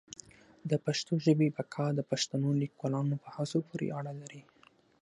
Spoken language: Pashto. د پښتو ژبي بقا د پښتنو لیکوالانو په هڅو پوري اړه لري.